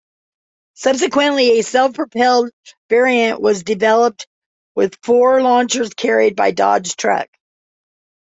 Subsequently a self-propelled variant was developed, with four launchers carried by Dodge truck.